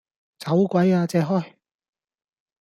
走鬼呀借開!